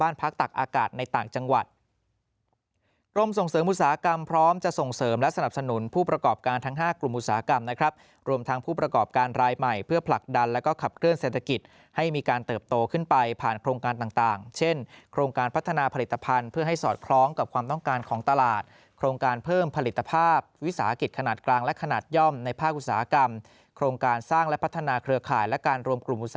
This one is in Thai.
รวมทางผู้ประกอบการรายใหม่เพื่อผลักดันและก็ขับเคลื่อนเศรษฐกิจให้มีการเติบโตขึ้นไปผ่านโครงการต่างเช่นโครงการพัฒนาผลิตภัณฑ์เพื่อให้สอดคล้องกับความต้องการของตลาดโครงการเพิ่มผลิตภาพวิสาหกิจขนาดกลางและขนาดย่อมในภาคอุตสาหกรรมโครงการสร้างและพัฒนาเครือข่ายและการ